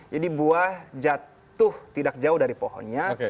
jadi buah jatuh tidak jauh dari pohonnya